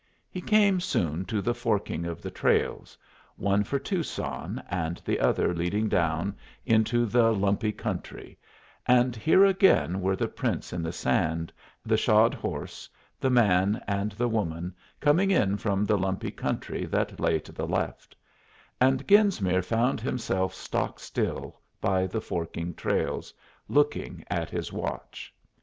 He came soon to the forking of the trails, one for Tucson and the other leading down into the lumpy country, and here again were the prints in the sand, the shod horse, the man and the woman, coming in from the lumpy country that lay to the left; and Genesmere found himself stock still by the forking trails, looking at his watch.